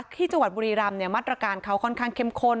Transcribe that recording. ที่จังหวัดบุรีรำมาตรการเขาค่อนข้างเข้มข้น